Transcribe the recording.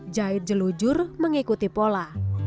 jahit jelujur mengikuti pola